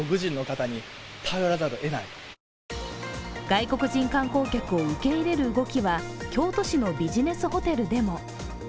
外国人観光客を受け入れる動きは京都市のビジネスホテルでも。